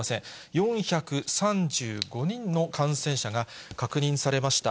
４３５人の感染者が確認されました。